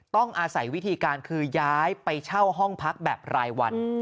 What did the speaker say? ต้องอาศัยวิธีการคือย้ายไปเช่าห้องพักแบบรายวัน